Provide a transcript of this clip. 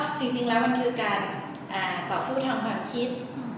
เพราะฉะนั้นจริงแล้วมันคือการต่อสู้ทางความคิด